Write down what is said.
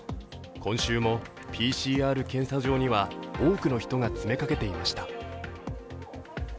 今週もＰＣＲ検査場には多くの人が詰めかけていました。